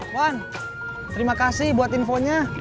wan terima kasih buat infonya